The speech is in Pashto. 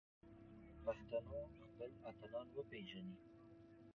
پښتنو خپل اتلان وپیژني